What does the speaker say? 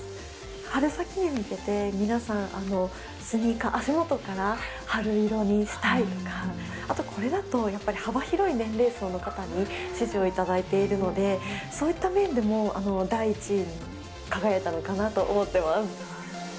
春先に向けて、皆さん、スニーカー、足元から春色にしたいとか、あとこれだと、やっぱり幅広い年齢層の方に支持を頂いているので、そういった面でも第１位に輝いたのかなと思っています。